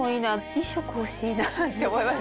２色欲しいなって思います。